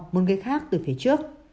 một người khác từ phía sau